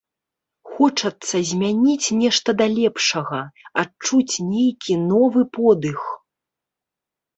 Хочацца змяніць нешта да лепшага, адчуць нейкі новы подых.